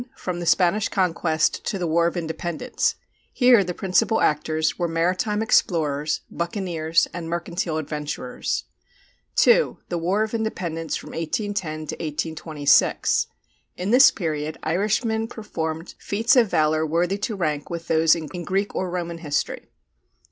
From the Spanish Conquest to the War of Independence: here the principal actors were maritime explorers, buccaneers, and mercantile adventurers; (2). The War of Independence from 1810 to 1826: in this period Irishmen performed feats of valor worthy to rank with those in Greek or Roman history.